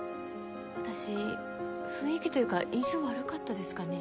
私雰囲気というか印象悪かったですかね？